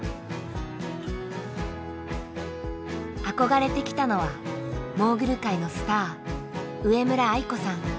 憧れてきたのはモーグル界のスター上村愛子さん。